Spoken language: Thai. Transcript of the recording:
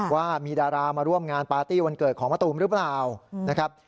ว่ามีดารามาร่วมงานปาร์ตี้วันเกิดของมะตูมหรือเปล่านะครับ